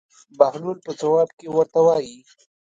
بهلول په ځواب کې ورته وایي.